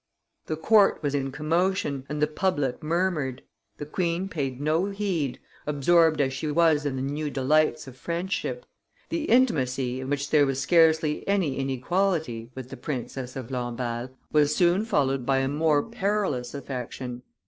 The court was in commotion, and the public murmured; the queen paid no heed, absorbed as she was in the new delights of friendship; the intimacy, in which there was scarcely any inequality, with the Princess of Lamballe, was soon followed by a more perilous affection.